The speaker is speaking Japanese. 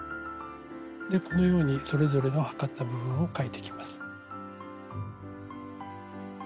このようにそれぞれの測った部分を書いていきます。